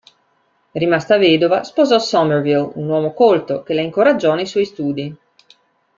Rimasta vedova, sposò Somerville, un uomo colto che la incoraggiò nei suoi studi.